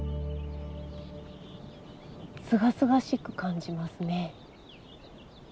すがすがしく感じますね。